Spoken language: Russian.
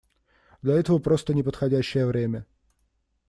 Для этого просто не подходящее время.